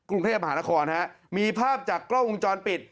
กรุงเทพมหานครฮะมีภาพจากกล้องวงจรปิด